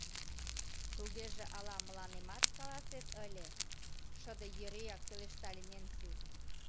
— Тугеже ала мыланемат каласет ыле? — шыде йӧреак пелештале Ненси.